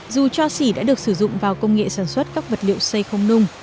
dù cho xỉ đã được sử dụng vào công nghệ sản xuất các vật liệu xây không nung